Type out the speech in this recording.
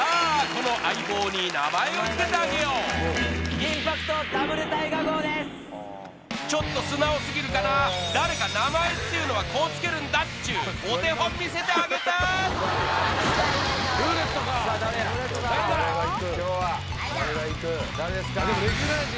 この相棒に名前をつけてあげようちょっと素直すぎるかな誰か名前っていうのはこうつけるんだっちゅうお手本見せてあげて！